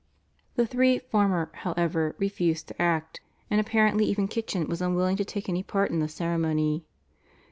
The three former, however, refused to act, and apparently even Kitchin was unwilling to take any part in the ceremony.